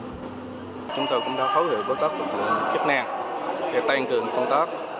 chúng tôi cũng đã phối hợp với các phương tiện chức năng để tăng cường công tác